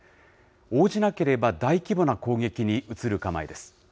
応じなければ、大規模な攻撃に移る構えです。